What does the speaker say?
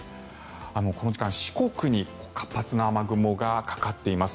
この時間、四国に活発な雨雲がかかっています。